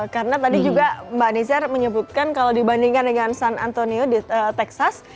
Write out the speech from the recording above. karena tadi juga mbak nisar menyebutkan kalau dibandingkan dengan san antonio di texas